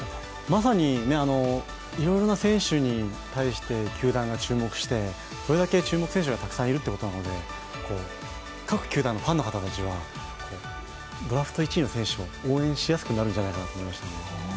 まさにいろいろな選手に対して球団が注目して、それだけ注目選手がたくさんいるってことなので各球団のファンの方たちはドラフト１位の選手を応援しやすくなるんじゃないかと思いました。